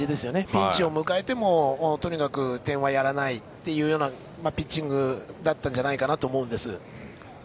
ピンチを迎えてもとにかく点はやらないというピッチングだったんじゃないかなと思うんです。